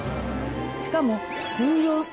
しかも。